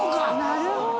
なるほど。